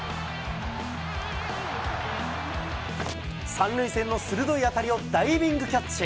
３塁線の鋭い当たりをダイビングキャッチ。